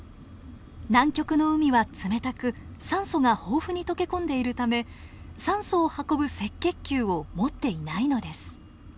南極の海は冷たく酸素が豊富に溶け込んでいるため酸素を運ぶ赤血球を持っていないのです。